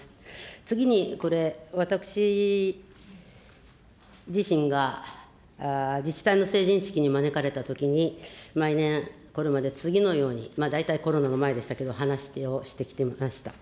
次にこれ、私自身が自治体の成人式に招かれたときに、毎年、これまで次のように、大体コロナの前でしたけど、話をしてきました。